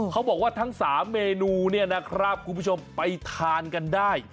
เขาบอกว่าทั้ง๓เมนูเนี่ยนะครับคุณผู้ชมไปทานกันได้